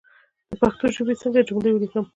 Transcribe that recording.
د پښتو ژبى څنګه جمله وليکم